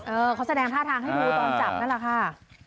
เขาแสดงท่าทางให้ดูตอนจับนั่นแหละค่ะ